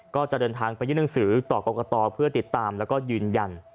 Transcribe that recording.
ก็จะเดินทางไปยื่นหนังสือต่อกรกตเพื่อติดตามแล้วก็ยืนยัน